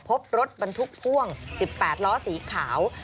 พบรถบรรทุกพ่วง๑๘ล้อสีขาว